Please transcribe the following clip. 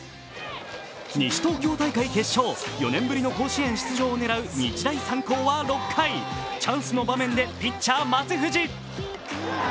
西東京大会決勝、４年ぶりの甲子園出場を狙う日大三高は６回、チャンスの場面でピッチャー・松藤。